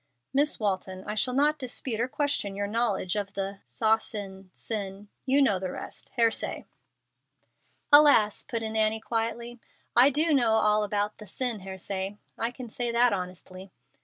"Miss Walton, I shall not dispute or question your knowledge of the Socin cin (you know the rest) heresy " "Alas!" put in Annie, quietly, "I do know all about the 'sin heresy.' I can say that honestly."